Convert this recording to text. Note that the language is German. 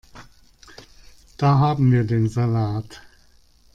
Da haben wir den Salat.